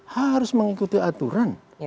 harus mengikuti aturan